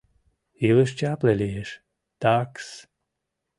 Илыш чапле лиеш, так-с!